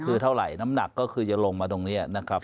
คือเท่าไหร่น้ำหนักก็คือจะลงมาตรงนี้นะครับ